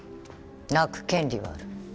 泣く権利はある。